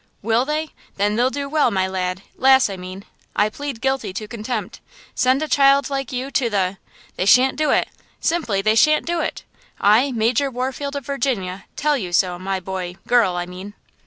"Will they? Then they'll do well, my lad! Lass, I mean. I plead guilty to contempt. Send a child like you to the–! They shan't do it! Simply, they shan't do it! I, Major Warfield of Virginia, tell you so, my boy–girl, I mean!"